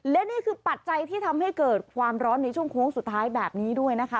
และนี่คือปัจจัยที่ทำให้เกิดความร้อนในช่วงโค้งสุดท้ายแบบนี้ด้วยนะคะ